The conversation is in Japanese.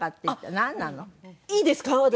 いいですよ。